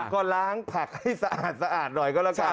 ก็ล้างผักให้สะอาดหน่อยก็แล้วกัน